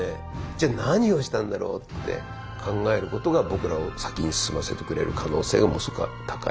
じゃあ何をしたんだろうって考えることが僕らを先に進ませてくれる可能性がものすごく高い。